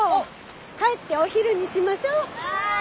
帰ってお昼にしましょ。わい！